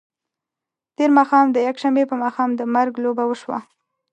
تېر ماښام د یکشنبې په ماښام د مرګ لوبه وشوه.